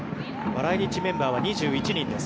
来日メンバーは２１人です。